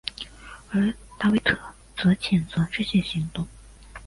而达维特则谴责这些行动。